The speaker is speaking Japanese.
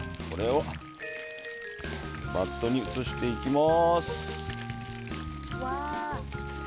これをバットに移していきます。